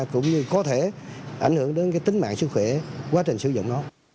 cũng như có thể ảnh hưởng đến cái tính mạng sức khỏe quá trình sử dụng nó